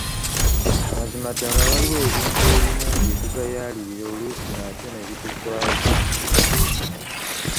Mazima ddala waliwo ebintu ebimu bye tugayaalirira oluusi ate ne bituswaza.